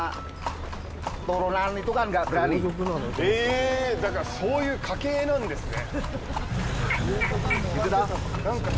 えーっだから、そういう家系なんですね。